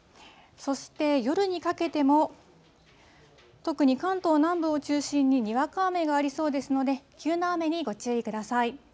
そして夜にかけても、特に関東南部を中心ににわか雨がありそうですので、急な雨にご注意ください。